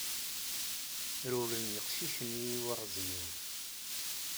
Rewlen yeqcicen i yiwaɣezniwen.